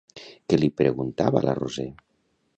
Què li preguntava la Roser?